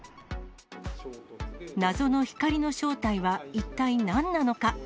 謎の光の正体は一体何なのか。